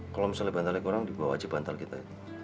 kalau misalnya bantalnya kurang dibawa aja bantal kita